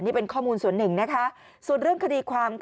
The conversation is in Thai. นี่เป็นข้อมูลส่วนหนึ่งนะคะส่วนเรื่องคดีความค่ะ